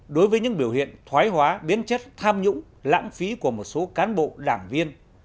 đối với những biểu hiện thoái hóa biến chất tham nhũng lãng phí của một số cán bộ đảng viên